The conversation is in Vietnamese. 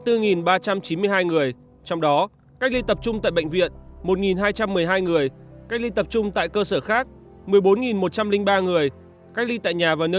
trong đó cách ly tập trung tại bệnh viện một hai trăm một mươi hai người cách ly tập trung tại cơ sở khác một mươi bốn một trăm linh ba người cách ly tại nhà và nơi lưu trú ba mươi chín bảy mươi bảy người